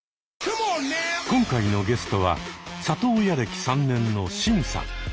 今回のゲストは里親歴３年のシンさん。